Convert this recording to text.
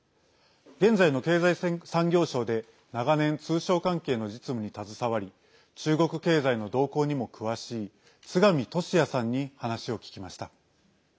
現在の経済産業省で長年、通商関係の実務に携わり中国経済の動向にも詳しい津上俊哉さんに話を聞きました。